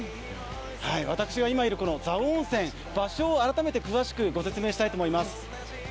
私が今いる蔵王温泉、場所を改めて詳しくお伝えしたいと思います。